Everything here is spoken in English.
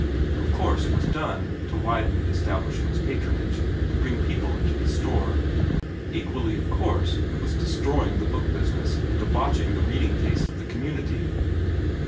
Of course it was done to widen the establishment's patronage to bring people into the store. Equally of course, it was destroying the book business and debauching the reading tastes of the community.